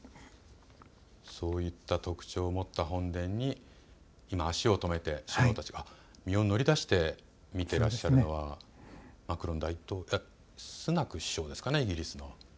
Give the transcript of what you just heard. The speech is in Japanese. そういった特徴を持った本殿に今、足を止めて首脳たちが身を乗り出して見ていらっしゃるのはスナク首相ですかね。